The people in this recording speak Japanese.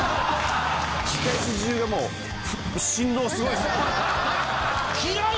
控室中がもう振動すごいっすよ。